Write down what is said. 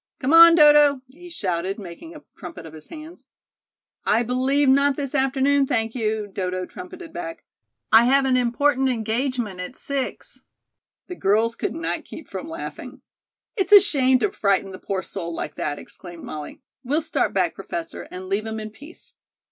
"Come on, Dodo," he shouted, making a trumpet of his hands. "I believe not this afternoon, thank you," Dodo trumpeted back. "I have an important engagement at six." The girls could not keep from laughing. "It's a shame to frighten the poor soul like that," exclaimed Molly. "We'll start back, Professor, and leave him in peace."